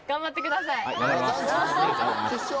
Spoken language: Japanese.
頑張ります。